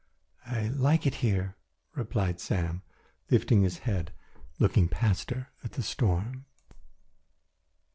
"I like it here," replied Sam, lifting his head and looking past her at the storm.